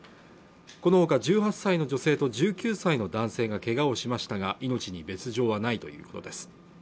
このほか１８歳の女性と１９歳の男性がけがをしましたが命に別状はないということです